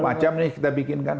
ya macamnya yang kita bikinkan